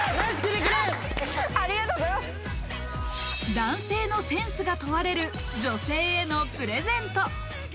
男性のセンスが問われる女性へのプレゼント。